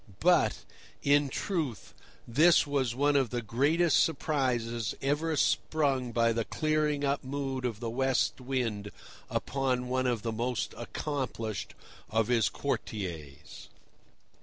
But, in truth, this was one of the greatest surprises ever sprung by the clearing up mood of the West Wind upon one of the most accomplished of his courtiers.